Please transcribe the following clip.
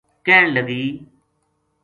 کہن لگی